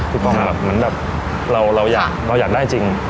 เหมือนแบบเราอยากได้จริง